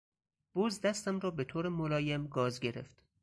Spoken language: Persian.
بز دستم را به طور ملایم گاز گرفت.